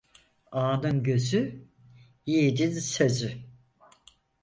Ağanın gözü, yiğidin sözü.